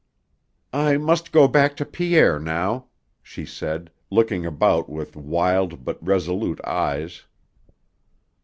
"I must go back to Pierre now," she said, looking about with wild but resolute eyes.